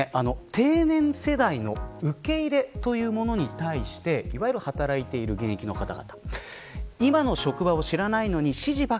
定年世代の受け入れというものに対していわゆる働いている現役の方々。